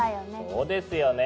そうですよね。